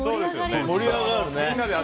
盛り上がるね。